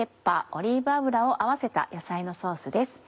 オリーブ油を合わせた野菜のソースです。